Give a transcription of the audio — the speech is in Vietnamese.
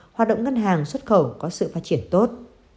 hoạt động ngân hàng xuất khẩu có sự phát triển tốt